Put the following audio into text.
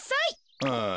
ああ。